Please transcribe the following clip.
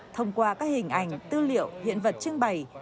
thông qua các hình ảnh tư liệu hiện vật trưng bày